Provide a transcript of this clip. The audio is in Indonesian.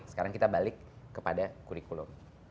sekarang kita balik kepada kurikulum